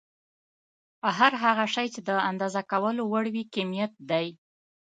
هر هغه شی چې د اندازه کولو وړ وي کميت دی.